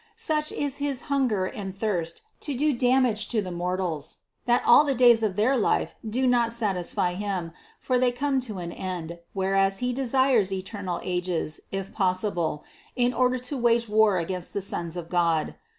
Such is his hunger and thirst to do damage to the mortals, that all the days of their life do not satisfy him, for they come to an end, whereas he desires eternal ages, if possible, in order to wage war against the sons of God.